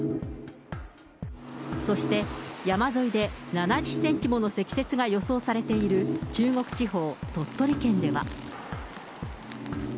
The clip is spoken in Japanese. そして山沿いで７０センチもの積雪が予想されている中国地方、鳥取県では。